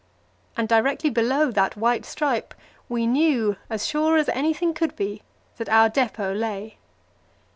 And directly below that white stripe we knew, as sure as anything could be, that our depot lay.